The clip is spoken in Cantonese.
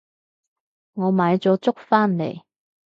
我買咗粥返嚟